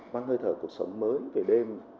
văn hơi thở cuộc sống mới về đêm